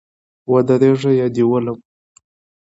ودرېږه یا دي ولم